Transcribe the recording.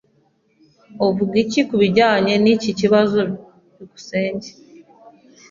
Uvuga iki kubijyanye niki kibazo? byukusenge